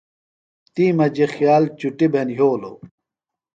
تی مجی خیال چِٹی بھے یھولو۔